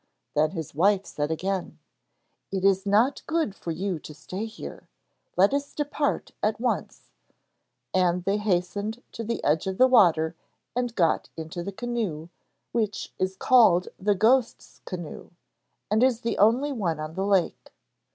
Then his wife said again: 'It is not good for you to stay here. Let us depart at once,' and they hastened to the edge of the water and got into the canoe, which is called the Ghost's Canoe, and is the only one on the lake.